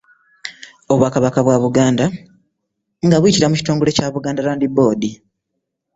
Obwakabaka bwa Buganda nga buyitira mu kitongole kya Buganda Land Land Board